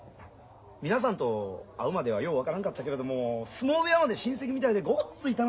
皆さんと会うまではよう分からんかったけれども相撲部屋まで親戚みたいでごっつい楽しい。